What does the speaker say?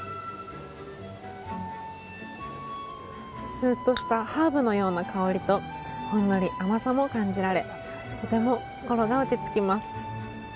スーっとしたハーブのような香りとほんのり甘さも感じられとても心が落ち着きます。